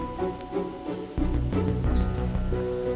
kamu harus pilih lelaki